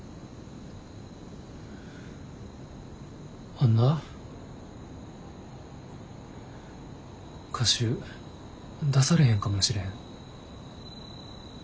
あんな歌集出されへんかもしれん。